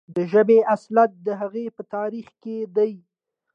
د ژبې اصالت د هغې په تاریخ کې دی.